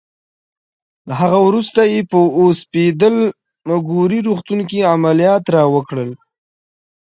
له هغه وروسته یې په اوسپیډل مګوري روغتون کې عملیات راوکړل.